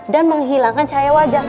dan menghilangkan cahaya wajah